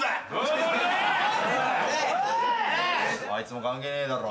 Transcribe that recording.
あいつも関係ねえだろ。